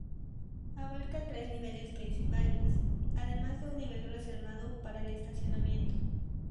Abarca tres niveles principales, además de un nivel reservado para el estacionamiento.